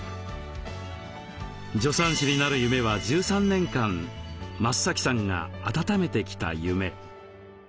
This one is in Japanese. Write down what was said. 助産師になる夢は１３年間増さんがあたためてきた夢。